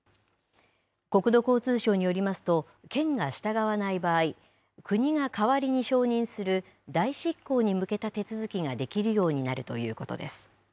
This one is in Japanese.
国土交通省によりますと、県が従わない場合、国が代わりに承認する代執行に向けた手続きができるようになるということです。